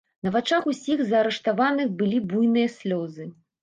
На вачах усіх заарыштаваных былі буйныя слёзы.